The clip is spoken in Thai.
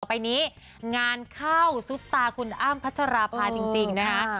ไปนี้งานเข้าซุปตาคุณอ้ำพัชราภาจริงนะคะ